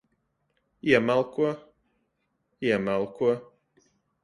Iemalko. Iemalko.